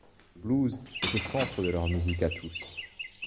Mais le blues est au centre de leur musique à tous.